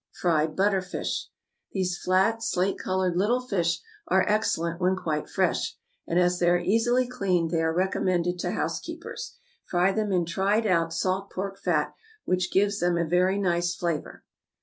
=Fried Butterfish.= These flat, slate colored little fish are excellent when quite fresh; and as they are easily cleaned, they are recommended to house keepers. Fry them in tried out salt pork fat, which gives them a very nice flavor.